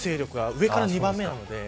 上から２番目なので。